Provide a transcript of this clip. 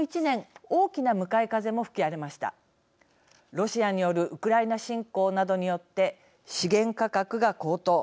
ロシアによるウクライナ侵攻などによって資源価格が高騰。